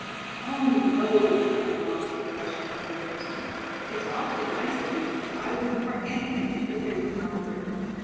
"Oh, no," cried Molly, flushing with embarrassment; "it's awfully nice of you, but I wouldn't for anything interfere with Margaret.